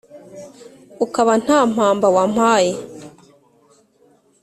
Ukaba nta mpamba wampaye